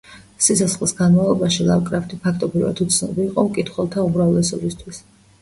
სიცოცხლის განმავლობაში ლავკრაფტი ფაქტობრივად უცნობი იყო მკითხველთა უმრავლესობისთვის.